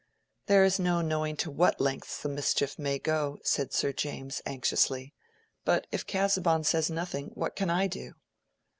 "There is no knowing to what lengths the mischief may go," said Sir James, anxiously. "But if Casaubon says nothing, what can I do?"